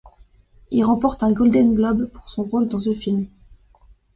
Il remporte un Golden Globe pour son rôle dans ce film.